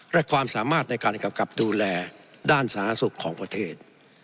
และความสามารถในการกลับดูแลด้านศาลนักศึกษ์ของประเทศ